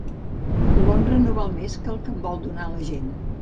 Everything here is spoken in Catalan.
L'honra no val més que el que en vol donar la gent